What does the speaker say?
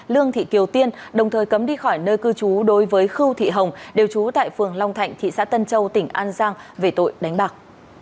lương thị kiều tiên đồng thời cấm đi khỏi nơi cư trú đối với khư thị hồng đều trú tại phường long thạnh thị xã tân châu tỉnh an giang về tội đánh bạc